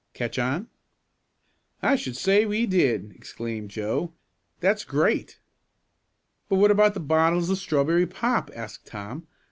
Catch on?" "I should say we did!" exclaimed Joe. "That's great!" "But what about the bottles of strawberry pop?" asked Tom.